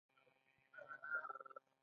زه غیر رسمي لیک لیکم.